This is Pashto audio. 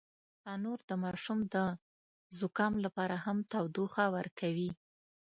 تنور د ماشوم د زکام لپاره هم تودوخه ورکوي